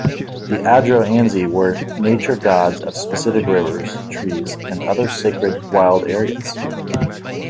The Adroanzi were nature gods of specific rivers, trees and other sacred wild areas.